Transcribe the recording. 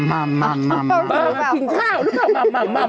ทิ้งข้าวหรือเปล่ามำ